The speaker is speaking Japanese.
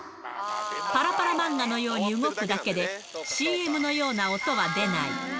パラパラ漫画のように動くだけで、ＣＭのような音は出ない。